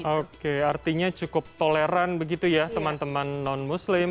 oke artinya cukup toleran begitu ya teman teman non muslim